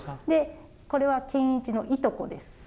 でこれは賢一のいとこです。